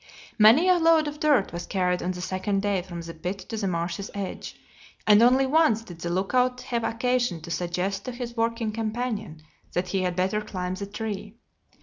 Many a load of dirt was carried on the second day from the pit to the marsh's edge, and only once did the lookout have occasion to suggest to his working companion that he had better climb the tree.